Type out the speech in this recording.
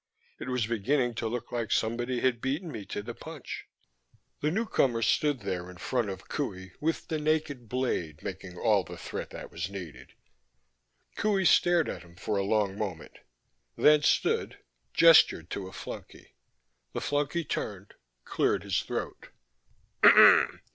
It was beginning to look like somebody had beaten me to the punch. The newcomer stood there in front of Qohey with the naked blade making all the threat that was needed. Qohey stared at him for a long moment, then stood, gestured to a flunky. The flunky turned, cleared his throat.